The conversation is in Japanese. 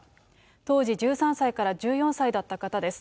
当時１３歳から１４歳だった方です。